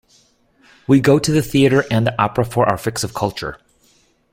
We go to the theatre and the opera for our fix of culture